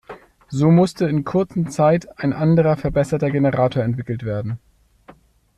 So musste in kurzen Zeit ein anderer verbesserter Generator entwickelt werden.